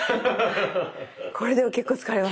これでも結構疲れます。